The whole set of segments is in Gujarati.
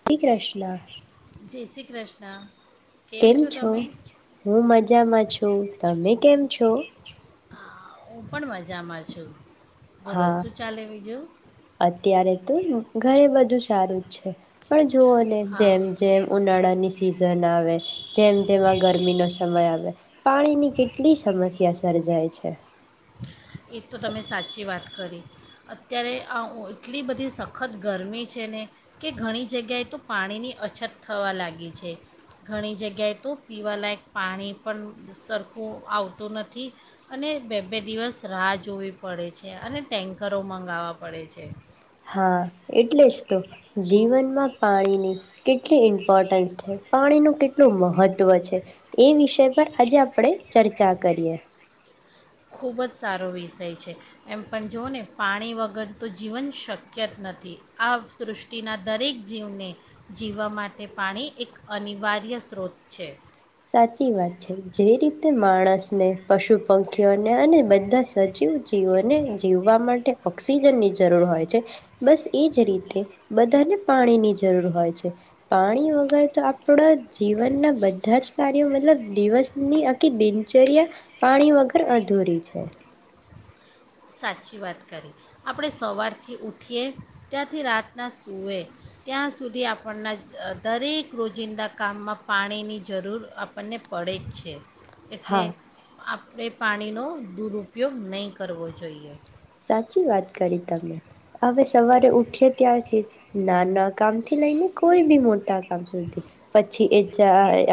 શ્રી કૃષ્ણ. જય શ્રી કૃષ્ણ. કેમ છો? હું મજામાં છું તમે કેમ છો? આ, હું પણ મજામાં છું. બોલો હા શું ચાલે બીજું અત્યારે તો ઘરે બ ધૂ સારું છે પણ જો અને હા જેમ જેમ ઉનાળાની સિઝન આવે. જેમ જેમ આ ગરમી નો સમય આવ પાણી ની કેટલી સમસ્યા સર્જાય છે. એ તો તમે સાચી વાત કરી. અત્યારે આ એટલી બધી સખત ગરમી છે ને કે ઘણી જગ્યાએ તો પાણીની અછત થવા લાગી છે, ઘણી જગ્યાએ તો પીવાલાયક પાણી પણ સરખું આવતું નથી અને બે બે દિવસ રાહ જોવી પડે છે અને ટેન્કરો મંગાવવા પડે છે. હા એટલે જ તો જીવનમાં પાણીની કેટલી ઇમ્પોર્ટન્સ છે, પાણીનું કેટલું મહત્વ છે. એ વિષય પર આજે આપણે ચર્ચા કરીએ. ખૂબ જ સારો વિષય છે. એમ પણ જોઓ ને પાણી વગર તો જીવન શક્ય જ નથી. આ સૃષ્ટિના દરેક જીવને જીવવા માટે પાણી એક અનિવાર્ય સ્ત્રોત છે. સાચી વાત છે. જે રીતે માણસને, પશુ, પંખીઓને અને બધા સજીવ જીવને જીવવા માટે ઓક્સિજનની જરૂર હોય છે. બસ એ જ રીતે બધાને પાણીની જરૂર હોય છે. પાણી વગર તો આપણા જીવનના બધા જ કાર્યો મતલબ દિવસની આખી દિનચર્યા પાણી વગર અધૂરી છે. સાચી વાત કરી. આપણે સવારથી ઉઠીએ ત્યાંથી રાતના સૂએ ત્યાં સુધી આપણના દરેક રોજિંદા કામમાં પાણીની જરૂર આપણને પડે જ છે. એટલે હા આપ ને પાણીનો દુર ઉપયોગ નહીં કરવો જોઈએ. સાચી વાત કરી તમે હવે સવારે ઉઠીએ ત્યારથી નાના કામ થી લઈને કોઈ બી મોટા કામ સુધી પછી એ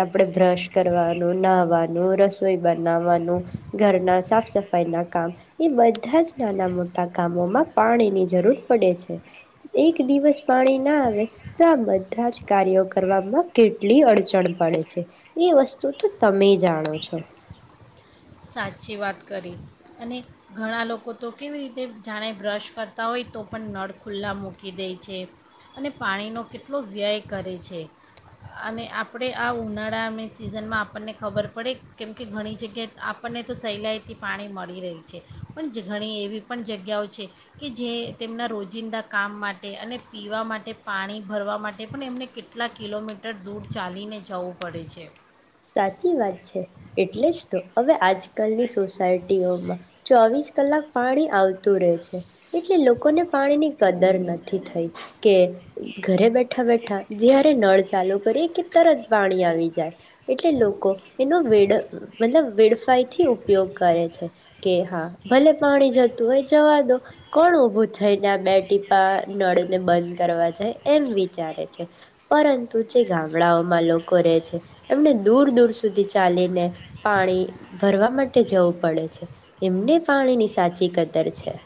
આપણે બ્રશ કરવાનું, નાહવાનું, રસોઈ બનાવાનું, ઘરના સાફ સફાઈ ના કામ એ બધા જ નાના મોટા કામોમાં પાણીની જરૂર પડે છે. એક દિવસ પાણી ના આવે તો આ બધા જ કાર્યો કરવામાં કેટલી અડચણ પડે છે એ વસ્તુ તો તમે જાણો છો. સાચી વાત કરી અને ઘણા લોકો તો કેવી રીતે જાણે બ્રશ કરતા હોય તો પણ નળ ખુલ્લા મૂકી દેય છે અને પાણીનો કેટલો વ્યય કરે છે અને આપણે આ ઉનાળાની સિઝનમાં આપણને ખબર પડે કેમ કે ઘણી જગ્યાએ આપણને તો સહેલાઈથી પાણી મળી રહયું છે. પણ ઘણી એવી પણ જગ્યાઓ છે કે જે તેમના રોજિંદા કામ માટે અને પીવા માટે, પાણી ભરવા માટે પણ એમને કેટલા કિલોમીટર દૂર ચાલીને જવું પડે છે. સાચી વાત છે એટલે જ તો હવે આજકાલની સોસાયટીઓમાં ચોવીસ કલાક પાણી આવતું રહે છે. એટલે લોકોને પાણીની કદર નથી થઈ કે ઘરે બેઠા બેઠા જ્યારે નળ ચાલુ કરીએ કે તરત પાણી આવી જાય. એટલે લોકો એનો વેડ મતલબ વેડફાઈથી ઉપયોગ કરે છે કે હા ભલે પાણી જતું હોય જવા દો કોણ ઉભું થઈ ને બે ટીપા નળને બંધ કરવા જાય. એમ વિચારે છે પરંતુ જે ગામડાઓમાં લોકો રહે છે એમને દૂર દૂર સુધી ચાલીને પાણી ભરવા માટે જવું પડે છે. એમને પાણીની સાચી કદર છે.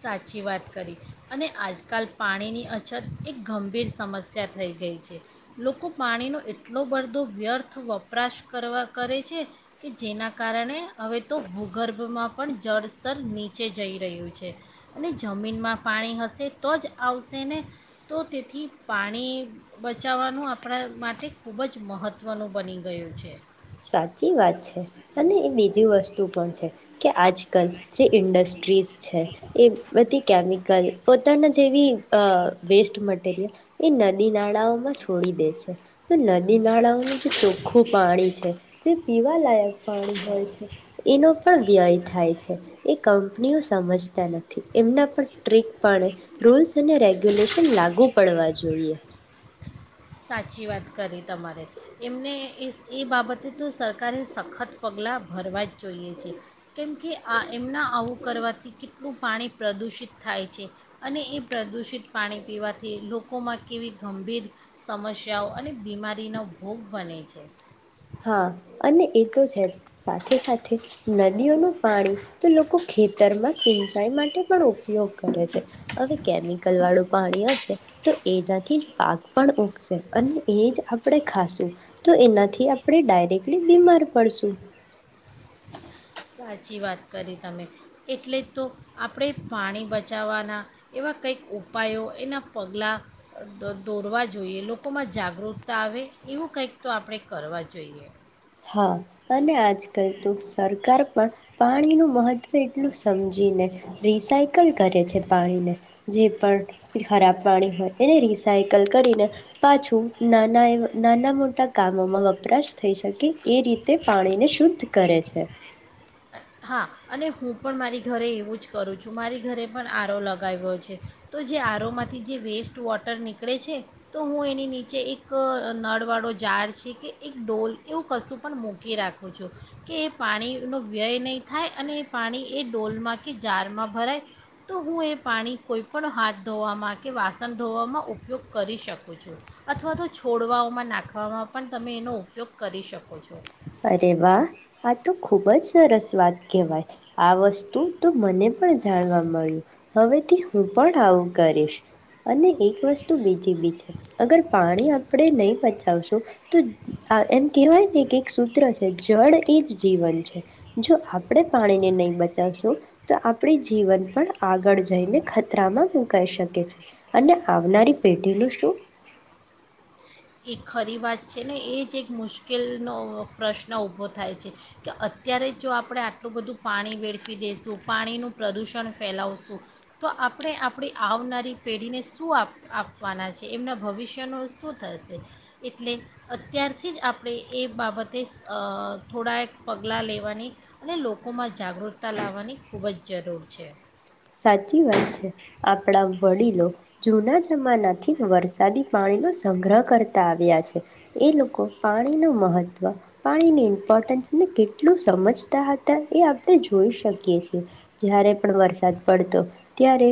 સાચી વાત કરી અને આજકાલ પાણીની અછત એક ગંભીર સમસ્યા થઈ ગઈ છે. લોકો પાણીનો એટલો બડધો વ્યર્થ વપરાશ કરવા કરે છે કે જેના કારણે હવે તો ભૂગર્ભમાં પણ જળસ્તર નીચે જઈ રહ્યું છે. અને જમીનમાં પાણી હશે તો જ આવશે ને તો તેથી પાણી બચાવવાનું આપણા માટે ખૂબ જ મહત્ત્વનું બની ગયું છે. સાચી વાત છે અને એ બીજી વસ્તુ પણ છે કે આજકાલ જે ઇન્ડસ્ટ્રીઝ છે એ બધી કેમિકલ પોતાના જેવી અ વેસ્ટ મટીરિયલ એ નદી નાળાઓમાં છોડી દે છે. તો નદી નાળાઓનું જે ચોખ્ખું પાણી છે જે પીવાલાયક પાણી હોય છે એનો પણ વ્યય થાય છે એ કંપનીઓ સમજતા નથી. એમના પણ સ્ટ્રીક પણે રૂલ્સ અને રેગ્યુલેશન લાગુ પડવા જોઈએ. સાચી વાત કરી તમારે. એમને એ એ બાબતે તો સરકારે સખત પગલાં ભરવા જ જોઈએ છે કેમ કે આ એમના આવું કરવાથી કેટલું પાણી પ્રદૂષિત થાય છે અને એ પ્રદૂષિત પાણી પીવાથી લોકોમાં કેવી ગંભીર સમસ્યાઓ અને બીમારીનો ભોગ બને છે. હા અને એ તો છે જ સાથે સાથે નદીઓનું પાણી તો લોકો ખેતરમાં સિંચાઈ માટે પણ ઉપયોગ કરે છે હવે કેમિકલ વાળું પાણી હશે તો એનાથી જ પાક પણ ઉગશે અને એ જ આપણે ખાાસું તો એનાથી આપ આપણે ડાયરેક્ટલી બીમાર પડશું. સાચી વાત કરી તમે, એટલેજ તો આપડે પાણી બચાવવાના એવા કંઈક ઉપાયો એના પગલાં દોરવા જોઈએ, લોકોમાં જાગૃતતા આવે એવું કંઈક તો આપડે કરવા જોઈએ. હા, અને આજકાલ તો સરકાર પણ પાણીનું મહત્ત્વ એટલું સમજીને રિસાયકલ કરે છે પાણીને, જે પણ ખરાબ પાણી હોય એને રિસાયકલ કરીને પાછું નાના એ નાના મોટા કામોમાં વપરાશ થઈ શકે એ રીતે પાણીને શુદ્ધ કરે છે. હા અને હું પણ મારી ઘરે એવું જ કરું છું મારી ઘરે પણ આરો લગાવ્યો છે તો જે આરોમાંથી જે વેસ્ટ વોટર નીકળે છે, તો હું એની નીચે એક નળવાળો ઝાડ છે કે એક ડોલ એવું કશું પણ મૂકી રાખું છું કે એ પાણીનો વ્યય નહીં થાય અને એ પાણી એ ડોલમાં કે જારમાં ભરાય, તો હું એ પાણી કોઈપણ હાથ ધોવામાં કે વાસણ ધોવામાં ઉપયોગ કરી શકું છું, અથવા તો છોડઓવામાં નાખવામાં પણ તમે એનો ઉપયોગ કરી શકો છો. અરે વાહ આતો ખુબજ સરસ વાત કહેવાય. આ વસ્તુ તો મને પણ જાણવા મળ્યું. હવેથી હું પણ આવું કરીશ અને એક વસ્તુ બીજી બી છે, અગર પાણી આપણે નહી પચાવશું તો એમ કહેવાય ને કે એક સૂત્ર છે જળ એજ જીવન છે. જો આપડે પાણીને નહી બચાવશું તો આપણી જીવન પણ આગળ જઈને ખતરામાં મુકાઈ શકે છે અને આવનારી પેઢીનું શું એ ખરી વાત છે ને, એજ એક મુશ્કેલનો પ્રશ્ન ઊભો થાય છે કે અત્યારે જો આપણે આટલું બધું પાણી વેળફી દઈશું, પાણીનું પ્રદૂષણ ફેલાવશું, તો આપણે આપણી આવનારી પેઢીને શું આપવાના છે, એમના ભવિષ્યનું શું થશે એટલે અત્યારથીજ આપડે એ બાબતે અ થોડાક પગલાં લેવાની અને લોકોમાં જાગૃતતા લાવવાની ખૂબ જ જરૂર છે. સાચી વાત છે. આપડા વડીલો જૂના જમાનાથી વરસાદી પાણીનો સંગ્રહ કરતા આવ્યા છે. એ લોકો પાણી નો મહત્વ, પાણીની ઇમ્પોર્ટન્સને કેટલું સમજતા હતા એ આપણે જોઈ શકીએ છીએ. જ્યારે પણ વરસાદ પડતો ત્યારે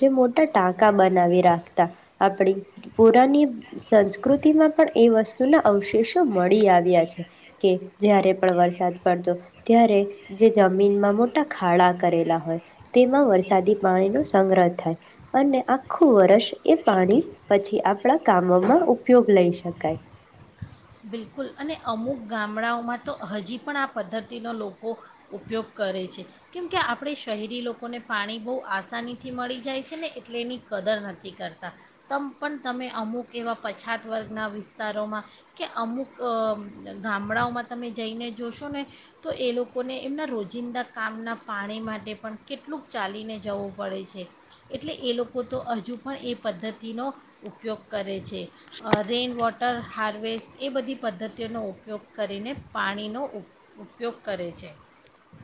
જે મોટા ટાંકા બનાવી રાખતા. આપડી પુરાની સંસ્કૃતિમાં પણ એ વસ્તુના અવશેષો મળી આવ્યા છે, કે જ્યારે પણ વરસાદ પડતો ત્યારે જે જમીનમાં મોટા ખાડા કરેલા હોય તેમાં વરસાદી પાણીનો સંગ્રહ થાય અને આખું વર્ષ એ પાણી પછી આપડા કામોમાં ઉપયોગ લઈ શકાય. બિલકુલ અને અમુક ગામડાઓમાં તો હજી પણ આ પદ્ધતિનો લોકો ઉપયોગ કરે છે, કેમકે આપડે શહેરી લોકોને પાણી બહુ આસાનીથી મળી જાય છે ને એટલે એની કદર નથી કરતા, તમ પણ તમે અમુક એવા પછાત વર્ગના વિસ્તારોમાં કે અમુક ગામડાઓમાં તમે જઈને જોશો ને તો એ લોકોને એમના રોજિંદા કામના પાણી માટે પણ કેટલુંક ચાલીને જવું પડે છે, એટલે એ લોકો તો હજુ પણ એ પદ્ધતિનો ઉપયોગ કરે છે. રેઇન વોટર હાર્વેસ્ટ એ બધી પદ્ધતિઓનો ઉપયોગ કરીને પાણીનો ઉપયોગ કરે છે.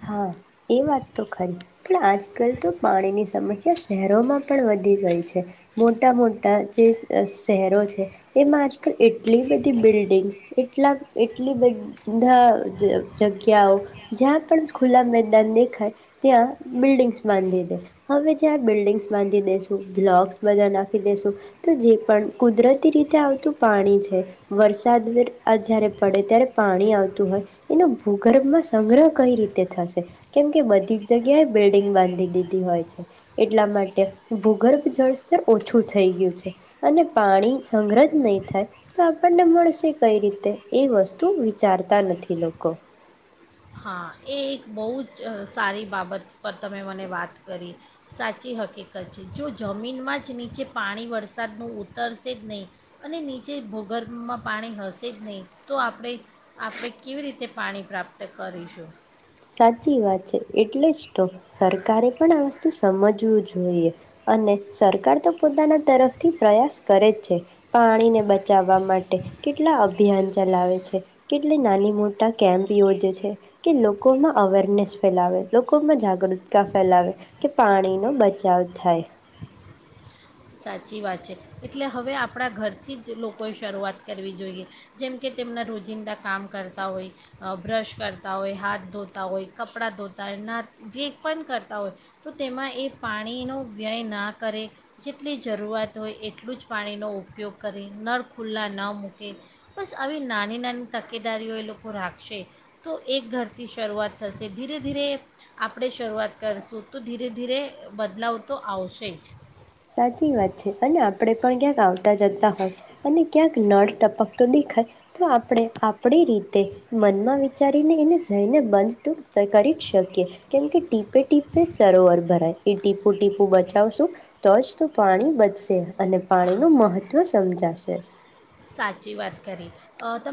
હા એ વાત તો ખરી, પણ આજકાલ તો પાણીની સમસ્યા શહેરોમાં પણ વધી ગઈ છે, મોટા મોટા જે શહેરો છે, એમાં આજકાલ એટલી બધી બિલ્ડિંગ્સ, એટલા એટલી બધા જગ્યાઓ જ્યાં પણ ખુલા મેદા દાન દેખાય ત્યાં બિલ્ડિંગ્સ બાંધી દે, હવે જ્યાં બિલ્ડિંગ્સ બાંધી દેસું બ્લોક્સ બધા નાખી દેસું તો જે પણ કુદરતી રીતે આવતું પાણી છે, વરસાદ આ જયારે પડે ત્યારે પાણી આવતું હોય એનો ભૂગર્ભમાં સંગ્રહ કઈ રીતે થશે. કેમ કે બધી જ જગ્યાએ બિલ્ડિંગ બાંધી દીધી હોય છે, એટલા માટે ભૂગર્ભ જળસ્તર ઓછું થઈ ગયું છે અને પાણી સંગ્રત નહી થાય, તો આપણને મળશે કઈ રીતે, એ વસ્તુ વિચારતા નથી લોકો હા, એ એક બહુ જ સારી બાબત પર તમે મને વાત કરી, સાચી હકીકત છે. જો જમીનમાં જ નીચે પાણી વરસાદનું ઉતરશે જ નહીં અને નીચે ભૂગર્ભમાં પાણી હશેજ નઈ, તો આપડે આપડે કેવી રીતે પાણી પ્રાપ્ત ત કરીશું. સાચી વાત છે, એટલેજ તો સરકારે પણ આ વસ્તુ સમજવું જોઈએ અને સરકાર તો પોતાના તરફથી પ્રયાસ કરે છે, પાણીને બચાવવા માટે કેટલા અભિયાન ચલાવે છે કેટલી નાની મોટા કેમ્પ યોજે છે કે લોકો લોકોમાં અવેરનેસ ફેલાવે, લોકોમાં જાગૃતતા ફેલાવે કે પાણીનો બચાવ થાય સાચી વાત છે. એટલે હવે આપણા ઘરથી જ લોકોએ શરૂઆત કરવી જોઈએ, જેમકે તેમના રોજિંદા કામ કરતા હોય, બ્રશ કરતા હોય, હાથ ધોતા હોય, કપડાં ધોતા હોય, ના જે પણ કરતા હોય તો તેમાં એ પાણીનો વ્યય ના કરે જેટલી જરૂરિયાત હોય એટલુંજ પાણીનો ઉપયોગ કરે, નળ ખુલ્લા ન મૂકે બસ આવી નાની નાની તકેદારીઓ એ લોકો રાખશે, તો એક ઘરથી શરૂઆત થશે, ધીરે ધીરે આપડે શરૂઆત કરશું તો ધીરે ધીરે બદલાવ તો આવશેજ સાચી વાત છે અને આપડે પણ ક્યાંક આવતા જતા હોય અને ક્યાંક નળ ટપકતો દેખાય તો આપડે આપડી રીતે મનમાં વિચારીને એને જઈને બંધ તો કરીજ શકીએ કેમકે ટી પે ટીપે સરોવર ભરાય. એ ટીપુ ટીપુ બચાવશું તોજ તો પાણી બચશે અને પાણીનું મહત્ત્વ સમજાશે. સાચી વાત કરી અહ ત